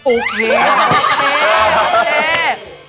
โอเคโอเค